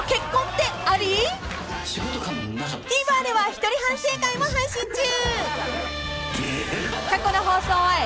［ＴＶｅｒでは一人反省会も配信中］